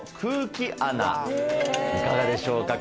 いかがでしょうか？